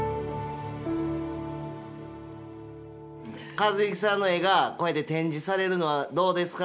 「一幸さんの絵がこうやって展示されるのはどうですか？」